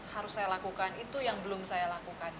harus saya lakukan itu yang belum saya lakukan